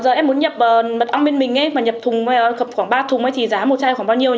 giờ em muốn nhập mật ong bên mình và nhập thùng khoảng ba thùng ấy thì giá một chai khoảng bao nhiêu